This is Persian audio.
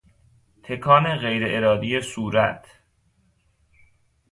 تکان غیر ارادی صورت